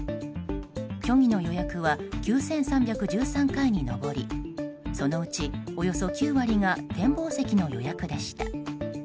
虚偽の予約は９３１３回に上りそのうち、およそ９割が展望席の予約でした。